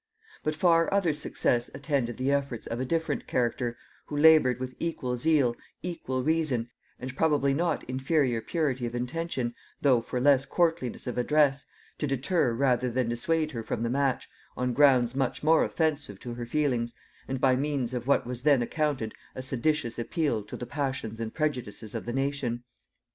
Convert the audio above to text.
But far other success attended the efforts of a different character, who labored with equal zeal, equal reason, and probably not inferior purity of intention, though for less courtliness of address, to deter rather than dissuade her from the match, on grounds much more offensive to her feelings, and by means of what was then accounted a seditious appeal to the passions and prejudices of the nation.